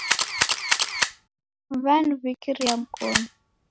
W'aniwikiria mkonu